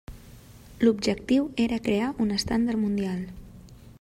L'objectiu era crear un estàndard mundial.